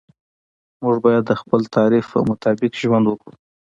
موږ باید د خپل تعریف مطابق ژوند وکړو.